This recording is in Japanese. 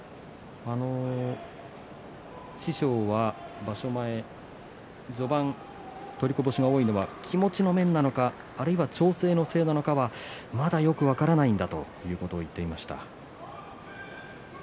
師匠は、場所前、序盤取りこぼしが多いのは気持ちの面なのかあるいは調整のせいなのかはまだよく分からないんだということを言っていました。